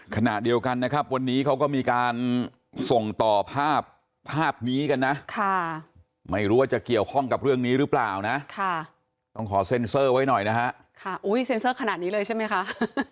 ขณะเดียวกันนะครับวันนี้เขาก็มีการส่งต่อภาพภาพนี้กันนะไม่รู้ว่าจะเกี่ยวข้องกับเรื่องนี้หรือเปล่านะต้องขอเซ็นเซอร์ไว้หน่อยนะฮะค่ะอุ้ยเซ็นเซอร์ขนาดนี้เลยใช่ไหมคะ